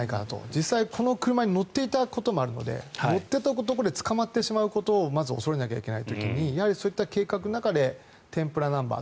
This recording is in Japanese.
実際、この車に乗っていたこともあるので乗っていたところで捕まってしまうことをまず恐れなきゃいけない時にそういった計画の中でテンプラナンバー